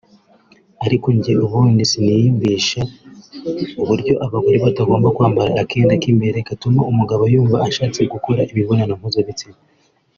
Ariko njye ubundi siniyumvisha uburyo abagore batagomba kwamba akenda k’imbere gatuma umugabo yumva ashatse gukora imibonano mpuzabitsina